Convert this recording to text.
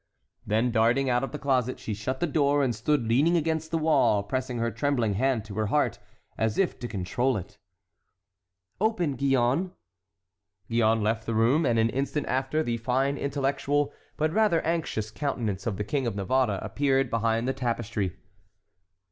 Then darting out of the closet, she shut the door and stood leaning against the wall pressing her trembling hand to her heart, as if to control it. "Open, Gillonne." Gillonne left the room, and an instant after, the fine, intellectual, but rather anxious countenance of the King of Navarre appeared behind the tapestry.